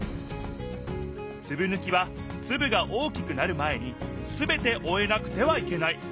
つぶぬきはつぶが大きくなる前にすべておえなくてはいけない。